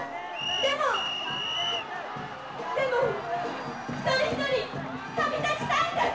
でもでも一人一人旅立ちたいんです。